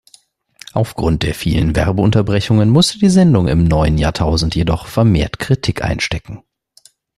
Aufgrund der vielen Werbeunterbrechungen musste die Sendung im neuen Jahrtausend jedoch vermehrt Kritik einstecken.